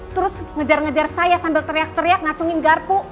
terus ngejar ngejar saya sambil teriak teriak ngacungin garpu